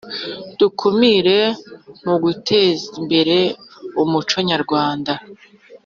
Dukumire muguteze imbere umuco nyarwanda